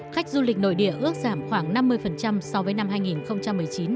khách du lịch nội địa ước giảm khoảng năm mươi so với năm hai nghìn một mươi chín